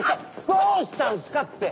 どうしたんすかって！